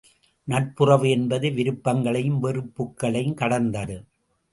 நட்புறவு என்பது விருப்பங்களையும் வெறுப்புகளையும் கடந்தது.